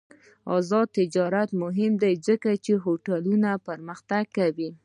آزاد تجارت مهم دی ځکه چې هوټلونه پرمختګ کوي.